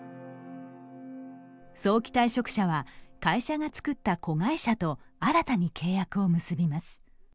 早期退職者は、会社が作った子会社と新たに契約を結びます。